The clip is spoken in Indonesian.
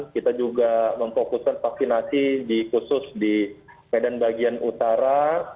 kita juga memfokuskan vaksinasi khusus di medan bagian utara